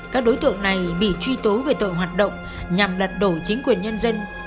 các đối tượng này bị truy tố về tội hoạt động nhằm lật đổ chính quyền nhân dân